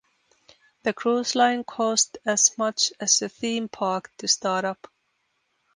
The cruise line cost as much as a theme park to start up.